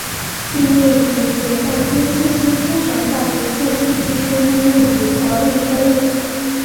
毕业于解放军信息工程大学信息技术应用与管理专业。